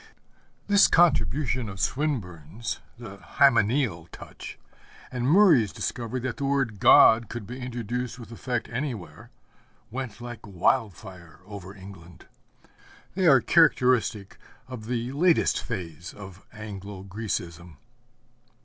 This contribution of Swinburne's, the hymeneal touch, and Murray's discovery that the word God could be introduced with effect anywhere, went like wildfire over England. They are characteristic of the latest phase of Anglo Grecism.